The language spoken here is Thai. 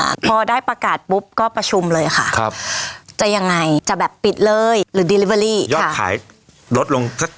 จากรถแปดละยี่สิบรถแปดสี่ไปลงค่ะ